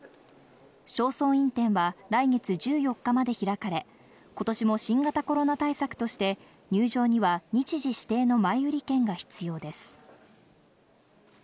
正倉院展は来月１４日まで開かれ、ことしも新型コロナ対策として、入場には日時指定の前売り券が必要です。